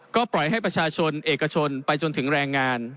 ก็ปล่อยให้ประชาชนเอกชนไปจนถึงแรงงาน